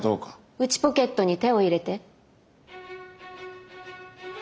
内ポケットに手を入れて？